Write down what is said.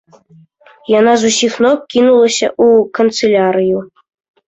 Яна з усіх ног кінулася ў канцылярыю.